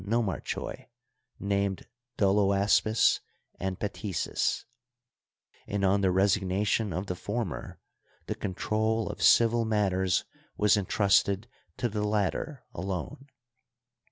nomarchoi named Doloaspis and Pettsts, and on the resignation of the former the control of civil matters was intrusted to the latter alone.